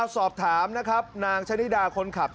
สอบถามนะครับนางชะนิดาคนขับ